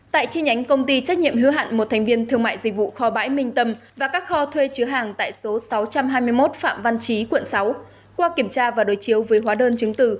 tại chi nhánh công ty trách nhiệm hữu hạn một thành viên thương mại dịch vụ kho bãi minh tâm và các kho thuê chứa hàng tại số sáu trăm hai mươi một phạm văn chí quận sáu qua kiểm tra và đối chiếu với hóa đơn chứng từ